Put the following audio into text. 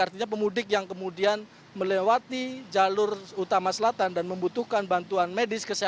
artinya pemudik yang kemudian melewati jalur utama selatan dan membutuhkan bantuan medis